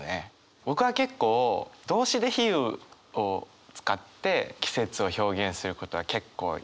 僕は結構動詞で比喩を使って季節を表現することはやるんですよ。